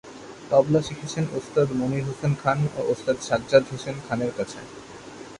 তবলা শিখেছেন ওস্তাদ মনির হোসেন খান ও ওস্তাদ সাজ্জাদ হোসেন খানের কাছে।